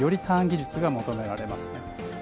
ターン技術が求められますね。